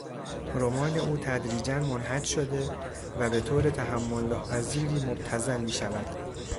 رمان اوتدریجا منحط شده و به طور تحملناپذیری مبتذل میشود.